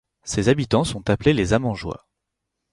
Ses habitants sont appelés les Amangeois.